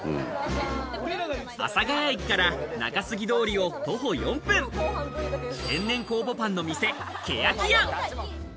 阿佐ヶ谷駅から中杉通りを徒歩４分、天然酵母パンの店・けやき庵。